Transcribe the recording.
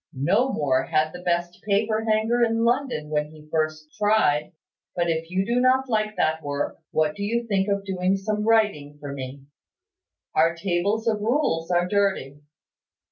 "No more had the best paper hanger in London when he first tried. But if you do not like that work, what do you think of doing some writing for me? Our tables of rules are dirty.